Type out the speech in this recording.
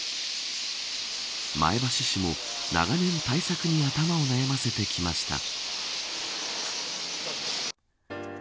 前橋市も長年対策に頭を悩ませてきました。